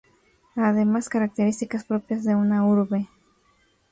Además características propias de una urbe.